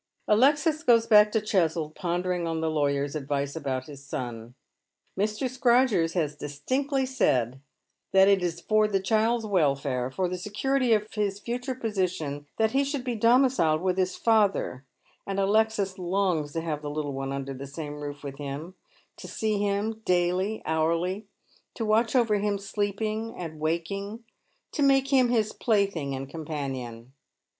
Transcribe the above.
Alexis goes back to Cheswold pondering on the lawyer's advice about his son. Mr. Scrodgers has distinctly said that it is for the child's welfare, for the security of his future position, that he should be domiciled with his father ; and Alexis longs to have the little one under the same roof with him, to see him daily, hourly, to watch over him sleeping and waking, to make him his plaything and companion.